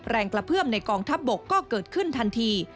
แรงกระเพื่อมในกองทัพบกก็เกิดขึ้นทันที